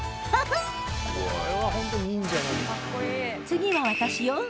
次は私よ。